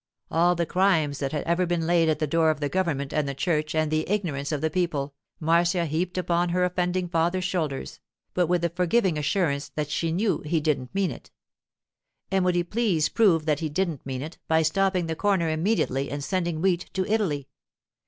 All the crimes that have ever been laid at the door of the government and the church and the ignorance of the people, Marcia heaped upon her offending father's shoulders, but with the forgiving assurance that she knew he didn't mean it. And would he please prove that he didn't mean it, by stopping the corner immediately and sending wheat to Italy?